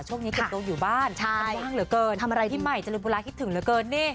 ช่วงนี้เก็บตัวอยู่บ้านทำว่างเหลือเกินพี่ใหม่จริงคิดถึงเหลือเกินนี่